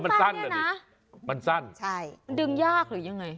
มันสั้นหรือยังไงดึงยากหรือยังไง